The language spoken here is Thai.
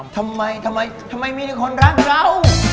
ทำไมทำไมทำไมมีคนรักเรา